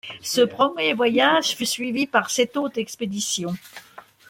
Ce premier voyage fut suivi par sept autres expéditions.